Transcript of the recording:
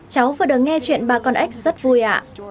cháu vừa đứng nghe chuyện bà con ếch rất vui ạ